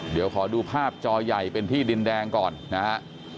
เดี๋ยวขอดูภาพจอใหญ่เป็นที่ดินแดงก่อนนะฮะ